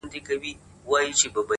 • سیاه پوسي ده ـ اوښکي نڅېږي ـ